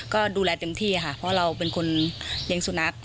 ก็ดูแลเต็มที่ค่ะเพราะเราเป็นคนเลี้ยงสุนัข